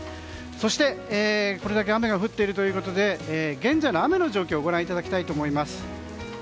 そして、これだけ雨が降っているということで現在の雨の状況をご覧いただきたいと思います。